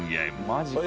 マジか。